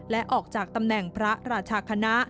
และออกจากตำแหน่งพระราชาคณะ